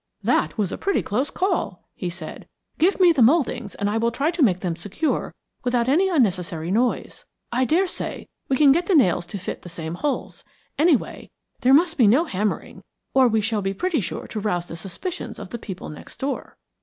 "That was a pretty close call," he said. "Give me the mouldings and I will try to make them secure without any unnecessary noise. I daresay we can get the nails to fit the same holes. Anyway, there must be no hammering, or we shall be pretty sure to rouse the suspicions of the people next door."